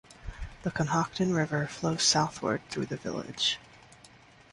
The Conhocton River flows southward through the village.